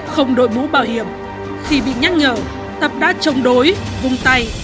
không đội mũ bảo hiểm khi bị nhắc nhở tập đã chống đối vung tay